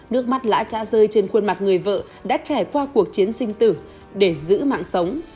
nước mắt lá cha rơi trên khuôn mặt người vợ đã trải qua cuộc chiến sinh tử để giữ mạng sống